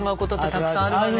たくさんあるわね。